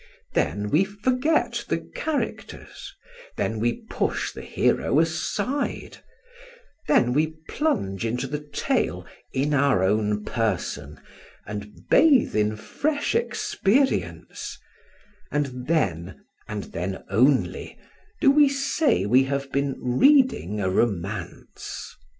Then we forget the characters; then we push the hero aside; then we plunge into the tale in our own person and bathe in fresh experience; and then, and then only, do we say we have been reading a romance.